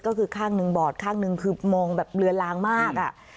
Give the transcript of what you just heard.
ก็คือค่างหนึ่งบอดค่างหนึ่งคือมองเหลืองลางมาก